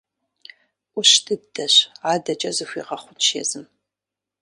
Ӏущ дыдэщ, адэкӀэ зэхуигъэхъунщ езым.